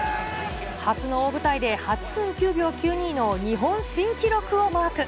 初の大舞台で８分９秒９２の日本新記録をマーク。